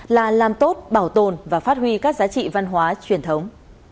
là làm tốt bảo tồn và phát huy các giá trị văn hóa truyền thống